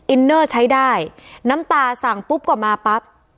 อินเนอร์ใช้ได้น้ำตาสั่งปุ๊บก็มาปั๊บ